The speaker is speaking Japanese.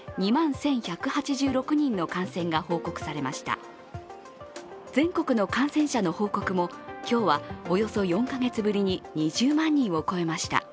全国の感染者の報告も、今日はおよそ４か月ぶりに２０万人を超えました。